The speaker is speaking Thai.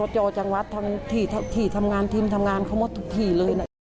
ทั้งที่ทำงานทีมทำงานเขาหมดทุกที่เลย